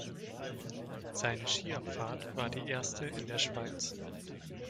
Seine Skiabfahrt war die erste in der Schweiz.